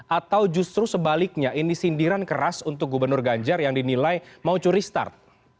atau justru sebaliknya ini sindiran keras untuk gubernur ganjar yang dinilai mau curi start